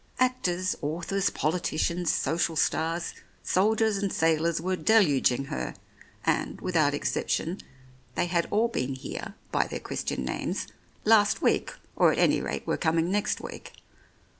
Actors, authors, politicians, social stars, soldiers and sailors were deluging her, and, without exception, they had all 88 The Oriolists been here, by their Christian names, last week, or at any rate were coming next week.